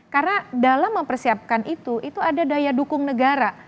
karena dalam mempersiapkan itu itu ada daya dukung negara